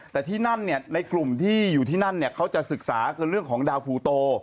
แต่ที่นั่นในกลุ่มที่อยู่ที่นั่นเขาจะศึกษาคือเรื่องของดาวภูโต